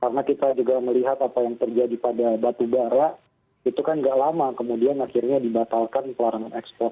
karena kita juga melihat apa yang terjadi pada batu bara itu kan gak lama kemudian akhirnya dibatalkan pelarangan ekspor